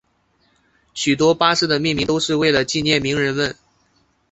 许多巴士的命名都是为了纪念名人们。